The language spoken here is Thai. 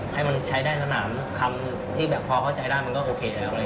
ให้มันใช้ได้สนามคำที่แบบพอเข้าใจได้มันก็โอเคแล้ว